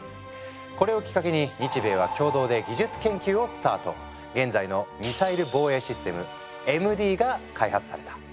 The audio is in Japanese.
これをきっかけに現在のミサイル防衛システム「ＭＤ」が開発された。